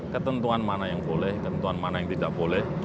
ketentuan mana yang boleh ketentuan mana yang tidak boleh